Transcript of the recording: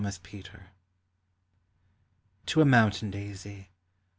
CHAUCER, TO A MOUNTAIN DAISY.